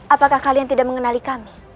apakah kalian tidak mengenali kami